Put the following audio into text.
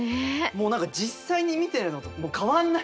もう何か実際に見てるのともう変わんないね。